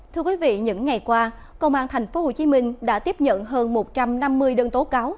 thưa quý vị những ngày qua công an tp hcm đã tiếp nhận hơn một trăm năm mươi đơn tố cáo